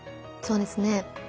そうですね。